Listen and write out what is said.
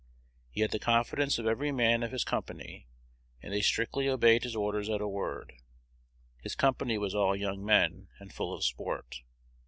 He had the confidence of every man of his company, and they strictly obeyed his orders at a word. His company was all young men, and full of sport.